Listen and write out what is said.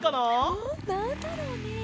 おっなんだろうね？